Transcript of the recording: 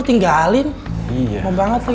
kayaknya kita molé beli air